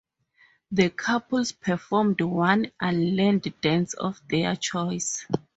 The couples performed one unlearned dance of their choice.